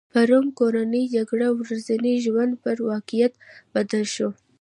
په روم کې کورنۍ جګړه ورځني ژوند پر واقعیت بدله شوې وه